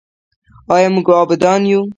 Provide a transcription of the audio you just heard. آیا موږ عابدان یو؟